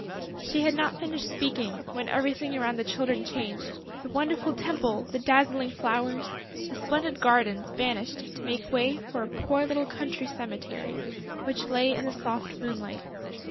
She had not finished speaking, when everything around the Children changed. The wonderful temple, the dazzling flowers, the splendid gardens vanished to make way for a poor little country cemetery, which lay in the soft moonlight.